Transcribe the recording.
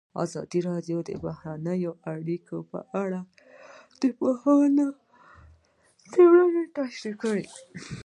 ازادي راډیو د بهرنۍ اړیکې په اړه د پوهانو څېړنې تشریح کړې.